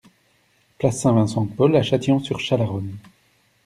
Place Saint-Vincent de Paul à Châtillon-sur-Chalaronne